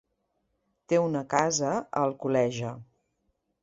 Té una casa a Alcoleja.